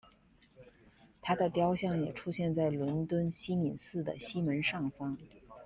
她的雕像也出现在伦敦西敏寺的西门上方。